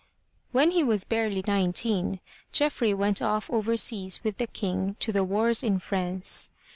When he was barely nineteen, Geoffrey went off over seas with the King to the wars in France.